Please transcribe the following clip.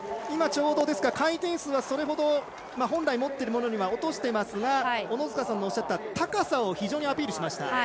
今、回転数はそれほど本来持っているものより落としていますが小野塚さんのおっしゃった高さを非常にアピールしました。